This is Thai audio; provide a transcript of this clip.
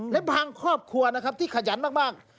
และบางครอบครัวนะครับที่ขยันมาก